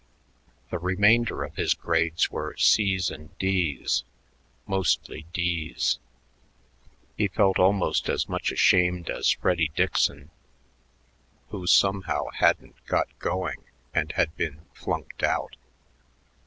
The remainder of his grades were C's and D's, mostly D's. He felt almost as much ashamed as Freddy Dickson, who somehow hadn't "got going" and had been flunked out.